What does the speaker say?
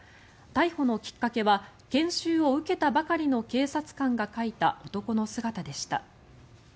逮捕のきっかけは研修を受けたばかりの警察官が描いた男の姿でした。